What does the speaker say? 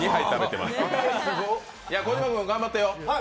小島君、頑張ってよ。